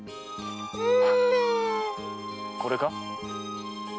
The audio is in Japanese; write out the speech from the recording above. これか？